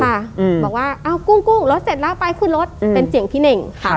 บอกว่ากุ้งรถเสร็จแล้วไปขึ้นรถเป็นเสียงพี่เหน่ง